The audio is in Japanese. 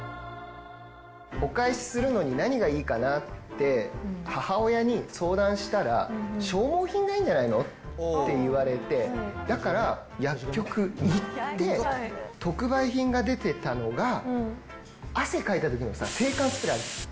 お返しするのに何がいいかなって、母親に相談したら、消耗品がいいんじゃないの？って言われて、だから、薬局に行って、特売品が出てたのが、汗かいたときのさ、制汗スプレーあるでしょ。